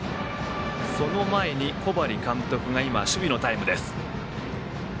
その前に小針監督が守備のタイムです。